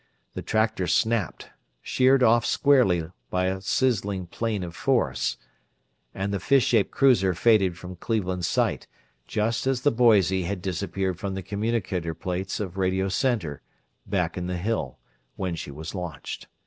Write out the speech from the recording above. The tractor snapped sheared off squarely by a sizzling plane of force and the fish shaped cruiser faded from Cleveland's sight, just as the Boise had disappeared from the communicator plates of Radio Center, back in the Hill, when she was launched.